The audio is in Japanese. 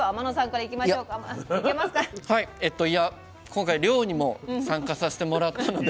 今回漁にも参加させてもらったので。